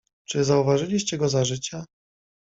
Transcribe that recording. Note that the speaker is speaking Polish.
"Czy zauważyliście go za życia?"